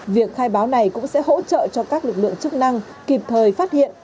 việc khai báo này cũng sẽ hỗ trợ cho các lực lượng chức năng kịp thời phát hiện